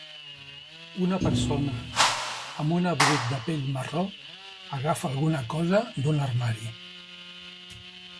Una persona amb un abric de pell marró agafa alguna cosa d'un armari.